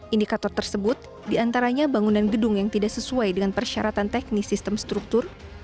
indikator tersebut diantaranya bangunan gedung yang tidak sesuai dengan persyaratan teknis sistem struktur